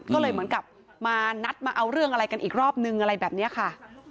ก็เลยเหมือนกับมานัดมาเอาเรื่องอะไรกันอีกรอบนึงอะไรแบบนี้ค่ะ